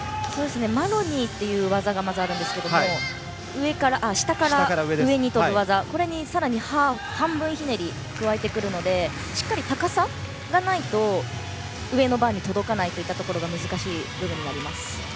マロニーという技がまずあるんですけれども下から上に跳ぶ技それに半分ひねりを加えてくるのでしっかり高さがないと上のバーに届かないところが難しい部分になります。